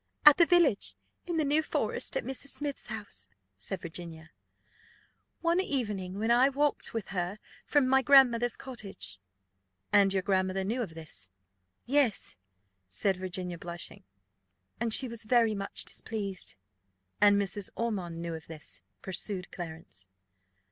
"At the village in the New Forest, at Mrs. Smith's house," said Virginia, "one evening when I walked with her from my grandmother's cottage." "And your grandmother knew of this?" "Yes," said Virginia, blushing, "and she was very much displeased." "And Mrs. Ormond knew of this?" pursued Clarence.